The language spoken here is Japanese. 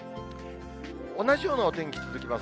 同じようなお天気続きます。